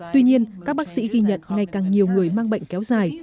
tuy nhiên các bác sĩ ghi nhận ngày càng nhiều người mang bệnh kéo dài